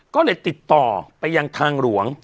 ก็เลยติดต่อไปยังทางหลวง